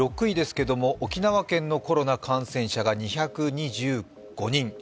６位ですけども、沖縄県のコロナ感染者が２２５人。